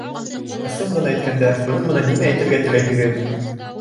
Ысын ғына әйткәндә, бының менән нимә әйтергә теләйһегеҙ?